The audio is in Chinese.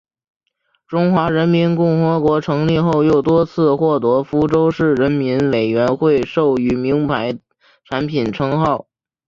中华人民共和国成立后又多次获福州市人民委员会授予名牌产品称号。